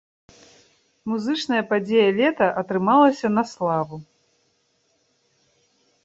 Музычная падзея лета атрымалася на славу.